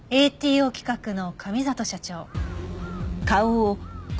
ＡＴＯ企画の上里社長。